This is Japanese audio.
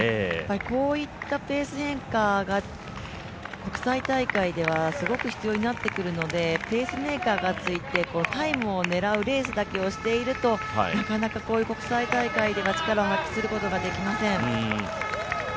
こういったペース変化が国際大会ではすごく必要になってくるので、ペースメーカーがついてタイムを狙うレースだけをしているとなかなかこういう国際大会では力を発揮することはできません。